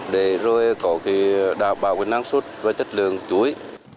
để rồi có cái đảm bảo năng suất và chất lượng chuối